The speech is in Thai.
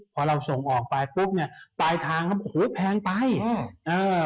พอเราส่งออกไปปุ๊บเนี้ยปลายทางก็โอ้โหแพงไปเออเออ